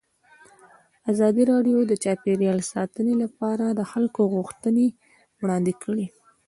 ازادي راډیو د چاپیریال ساتنه لپاره د خلکو غوښتنې وړاندې کړي.